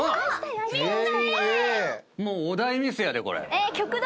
もうお題ミスやでこれ。